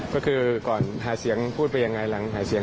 ก็คือก่อนหาเสียงพูดไปยังไงหลังหาเสียง